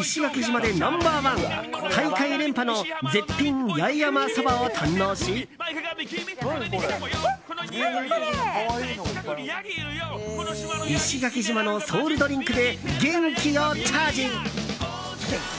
石垣島でナンバー１大会２連覇の絶品八重山そばを堪能し石垣島のソウルドリンクで元気をチャージ。